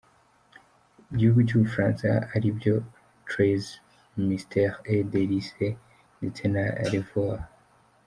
gihugu cyu Bufaransa ari byo Treize mystères et délices ndetse na le vol.